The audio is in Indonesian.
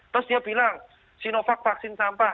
terus dia bilang sinovac vaksin sampah